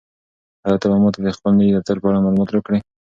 آیا ته به ماته د خپل نوي دفتر په اړه معلومات راکړې؟